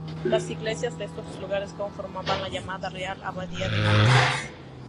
Las iglesias de estos lugares conformaban la llamada Real Abadía de Cabañas.